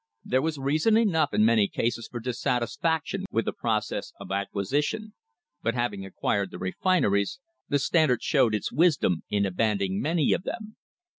There was reason enough in many cases for dissatisfaction with the process of acquisition, but having acquired the refineries, the Standard showed its wisdom in abandoning many of them.